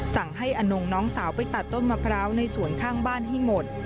สั่งให้อนงน้องสาวไปตัดต้นมะพร้าวในสวนข้างบ้านให้หมด